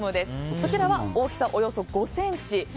こちらは大きさおよそ５ｃｍ。